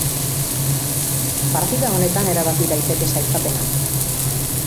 Partida honetan erabaki daiteke sailkapena.